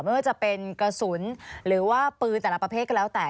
ไม่ว่าจะเป็นกระสุนหรือว่าปืนแต่ละประเภทก็แล้วแต่